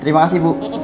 terima kasih bu